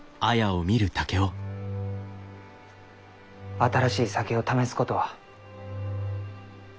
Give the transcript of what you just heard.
新しい酒を試すことはう